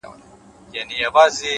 نیک عمل د خلکو په حافظه کې پاتې کېږي’